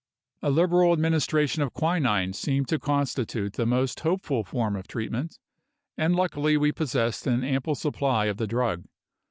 A liberal administration of quinine seemed to constitute the most hopeful form of treatment, and luckily we possessed an ample supply of the drug.